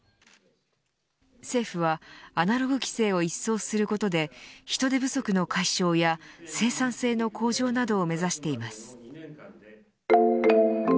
政府はアナログ規制を一掃することで人手不足の解消や生産性の向上などを目指しています。